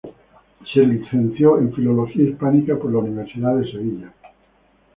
Se licenció Filología Hispánica por la Universidad de Sevilla.